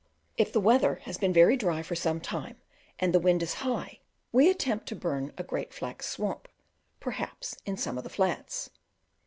If the weather has been very dry for some time and the wind is high, we attempt to burn a great flax swamp, perhaps, in some of the flats.